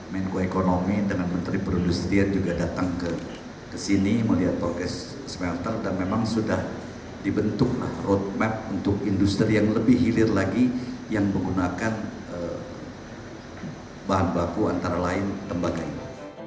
menko ekonomi dengan menteri perindustrian juga datang ke sini melihat prokes smelter dan memang sudah dibentuklah roadmap untuk industri yang lebih hilir lagi yang menggunakan bahan baku antara lain tembaga ini